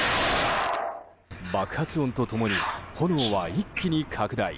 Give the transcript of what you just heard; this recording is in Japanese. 爆発音と共に炎は一気に拡大。